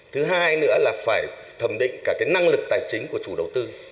thứ hai nữa là phải thẩm định cả cái năng lực tài chính của chủ đầu tư